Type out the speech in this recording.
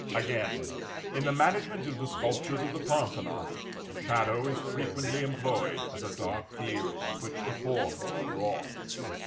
Again, in the management of the sculptures of the Parthenon, shadow is frequently employed as a dark field on which the forms are drawn.